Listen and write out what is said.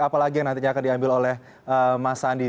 apalagi yang nantinya akan diambil oleh mas sandi